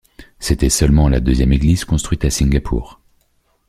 C'était seulement la deuxième église construite à Singapour.